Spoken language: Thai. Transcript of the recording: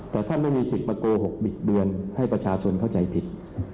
แต่ท่านไม่มีสิทธิ์มาโกหกบิดเบือนให้ประชาชนเข้าใจผิด